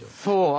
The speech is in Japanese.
そう。